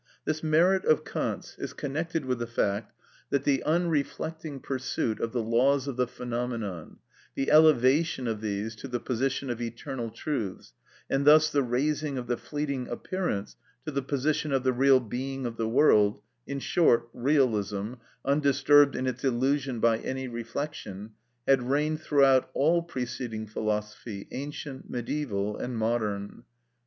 This merit of Kant's is connected with the fact that the unreflecting pursuit of the laws of the phenomenon, the elevation of these to the position of eternal truths, and thus the raising of the fleeting appearance to the position of the real being of the world, in short, realism undisturbed in its illusion by any reflection, had reigned throughout all preceding philosophy, ancient, mediæval, and modern.